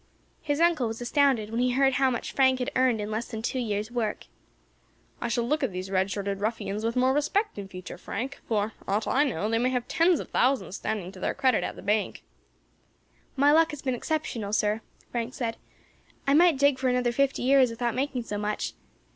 His uncle was astounded when he heard how much Frank had earned in less than two years' work. "I shall look at these red shirted ruffians with more respect in future, Frank; for, for aught I know, they may have tens of thousands standing to their credit at the bank." "My luck has been exceptional, sir," Frank said. "I might dig for another fifty years without making so much.